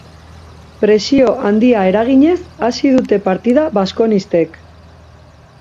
Presio handia eraginez hasi dute partida baskonistek.